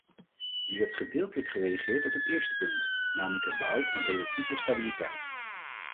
U hebt gedeeltelijk gereageerd op het eerste punt, namelijk het behoud van relatieve stabiliteit.